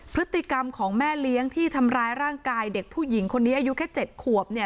พฤติกรรมของแม่เลี้ยงที่ทำร้ายร่างกายเด็กผู้หญิงคนนี้อายุแค่๗ขวบเนี่ย